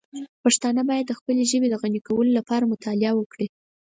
پښتانه باید د خپلې ژبې د غني کولو لپاره مطالعه وکړي.